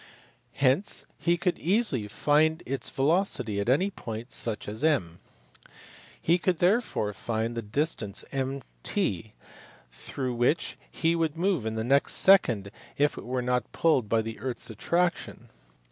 Hence he could easily find its velocity at any point such as M. He could therefore find the distance MT through which it would move in the next second if it were not pulled by the earth s attraction.